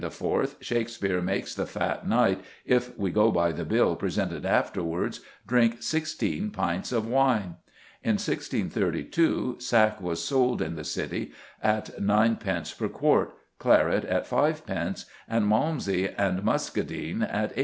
_, Shakespeare makes the fat knight, if we go by the bill presented afterwards, drink sixteen pints of wine! In 1632 sack was sold in the City at 9d. per quart, claret at 5d., and Malmsey and muscadine at 8d.